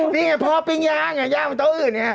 นี่ไงพ่อปิ้งย่างย่างไปโต๊ะอื่นเนี่ย